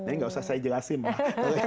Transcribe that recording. ini gak usah saya jelasin lah